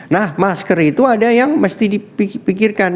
nah masker itu ada yang mesti dipikirkan